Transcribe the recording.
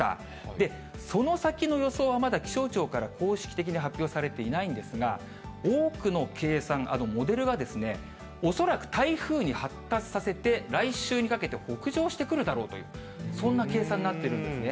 で、その先の予想はまだ気象庁から公式的に発表されていないんですが、多くの計算、モデルはですね、恐らく台風に発達させて、来週にかけて北上してくるだろうという、そんな計算になってるんですね。